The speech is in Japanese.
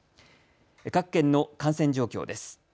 各県の感染状況です。